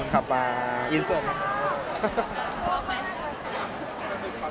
ขอบคุณค่ะบ๊ายบาย